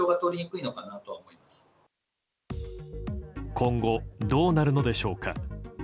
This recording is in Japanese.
今後、どうなるのでしょうか。